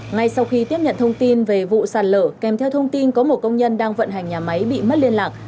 ngay sau khi tiếp nhận thông tin về vụ sạt lở kèm theo thông tin có một công nhân đang vận hành nhà máy bị mất liên lạc